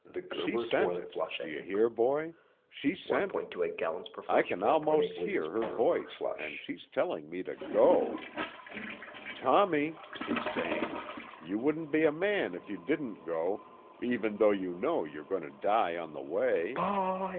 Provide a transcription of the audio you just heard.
She sent it, do you hear, boy? She sent it! I can almost hear her voice, an' she's telling me to go. `Tommy,' she's saying, `you wouldn't be a man if you didn't go, even though you know you're going to die on the way.